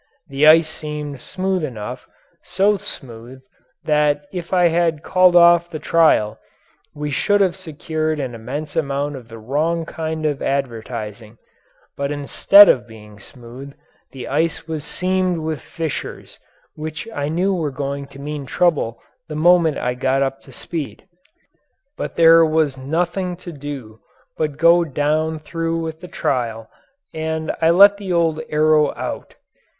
The ice seemed smooth enough, so smooth that if I had called off the trial we should have secured an immense amount of the wrong kind of advertising, but instead of being smooth, that ice was seamed with fissures which I knew were going to mean trouble the moment I got up speed. But there was nothing to do but go through with the trial, and I let the old "Arrow" out.